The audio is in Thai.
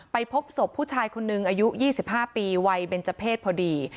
ไปพบศพผู้ชายคนนึงอายุยี่สิบห้าปีวัยเบนเจอร์เพศพอดี